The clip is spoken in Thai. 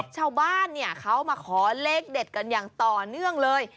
ชาวบ้านเขามาขอเลขเด็ดกันอย่างต่อเนื่องเลย